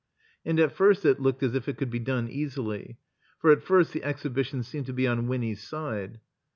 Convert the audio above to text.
And at first it looked as if it could be done easily. For at first the Exhibition seemed to be on Wixmy's side.